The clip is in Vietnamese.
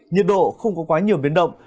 nhiệt độ không có quá nhiều biến động